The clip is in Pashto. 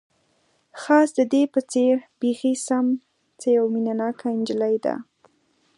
خاص د دې په څېر، بیخي سم، څه یوه مینه ناکه انجلۍ ده.